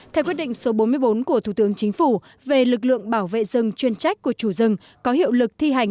theo quyết định số bốn mươi bốn của thủ tướng chính phủ về lực lượng bảo vệ rừng chuyên trách của chủ rừng có hiệu lực thi hành